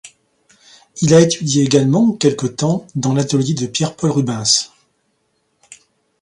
Il a étudié également quelque temps dans l’atelier de Pierre-Paul Rubens.